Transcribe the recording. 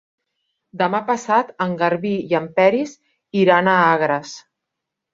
Demà passat en Garbí i en Peris iran a Agres.